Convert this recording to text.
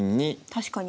確かに。